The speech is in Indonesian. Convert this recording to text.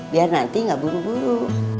biar nanti nggak buru buru